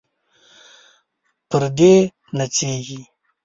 پردې نڅیږي